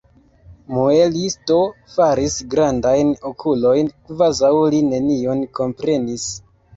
Muelisto faris grandajn okulojn, kvazaŭ li nenion komprenis.